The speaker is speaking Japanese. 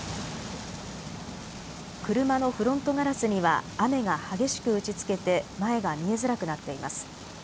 車のフロントガラスには雨が激しく打ちつけて前が見えづらくなっています。